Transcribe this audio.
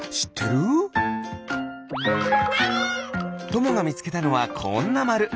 ともがみつけたのはこんなまる。